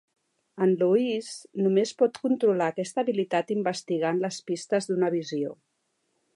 En Louis només pot controlar aquesta habilitat investigant les pistes d'una visió.